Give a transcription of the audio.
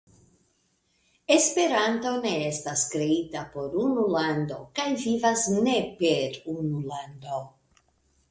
Esperanto ne estas kreita por unu lando kaj vivas ne per unu lando.